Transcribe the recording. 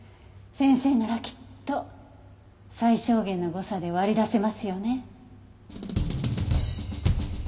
先生ならきっと最小限の誤差で割り出せますよね？